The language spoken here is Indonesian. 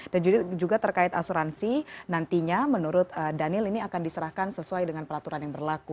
dan juga terkait asuransi nantinya menurut daniel ini akan diserahkan sesuai dengan peraturan yang berlaku